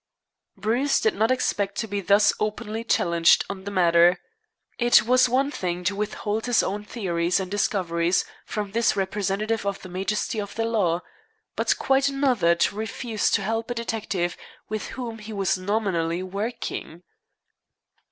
Bruce did not expect to be thus openly challenged on the matter. It was one thing to withhold his own theories and discoveries from this representative of the majesty of the law, but quite another to refuse to help a detective with whom he was nominally working.